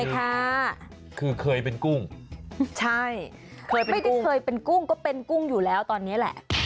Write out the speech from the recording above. ใช่ค่ะคือเคยเป็นกุ้งใช่เคยไม่ได้เคยเป็นกุ้งก็เป็นกุ้งอยู่แล้วตอนนี้แหละ